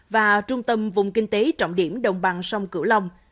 và trung tâm vùng kinh tế trọng điểm đồng bằng sông cửu long